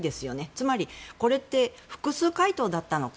つまり、これって複数回答だったのか。